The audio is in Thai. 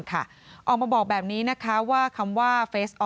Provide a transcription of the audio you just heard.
เอามาบอกแบบนี้คะว่าคำว่า